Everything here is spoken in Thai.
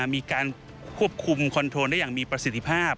มีการควบคุมคอนโทนได้อย่างมีประสิทธิภาพ